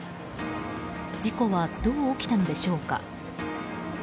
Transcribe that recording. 事故は、どう起きたのでしょうか。